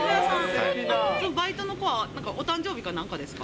そのバイトの子は、お誕生日かなんかですか？